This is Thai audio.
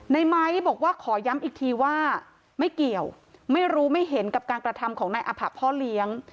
ในไม้บอกว่าขอย้ำอีกทีว่าไม่เกี่ยวไม่รู้ไม่เห็นกับการกระทำของนายอภะพ่อเลี้ยง